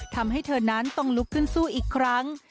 ทำให้เธอนั้นต้องลุกขึ้นสู้อีกครั้ง